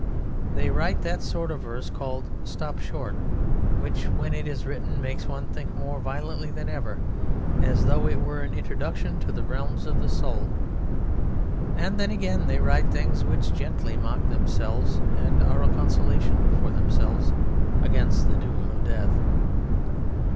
They write that sort of verse called 'Stop Short,' which when it is written makes one think more violently than ever, as though it were an introduction to the realms of the soul. And then again they write things which gently mock themselves and are a consolation for themselves against the doom of death."